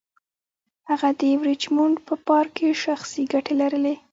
هغه د ریچمونډ په پارک کې شخصي ګټې لرلې.